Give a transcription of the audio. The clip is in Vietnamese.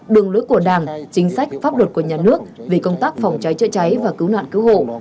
đường lối của đảng chính sách pháp luật của nhà nước về công tác phòng cháy chữa cháy và cứu nạn cứu hộ